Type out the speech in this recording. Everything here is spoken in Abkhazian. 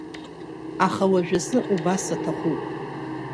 Аха уажәазы убас аҭахуп.